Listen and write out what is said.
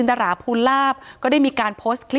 ถ้าใครอยากรู้ว่าลุงพลมีโปรแกรมทำอะไรที่ไหนยังไง